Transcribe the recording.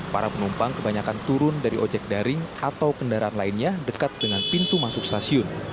para penumpang kebanyakan turun dari ojek daring atau kendaraan lainnya dekat dengan pintu masuk stasiun